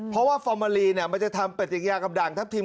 เพราะว่าฟอร์เมอรีมันจะทำเป็นอีกอย่างกับด่างทับทิม